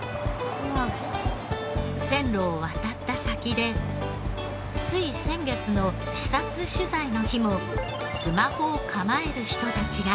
線路を渡った先でつい先月の視察取材の日もスマホを構える人たちが。